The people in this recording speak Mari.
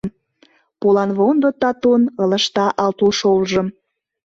Поланвондо татун ылыжта Ал тулшолжым.